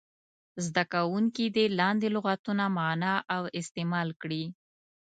زده کوونکي دې لاندې لغتونه معنا او استعمال کړي.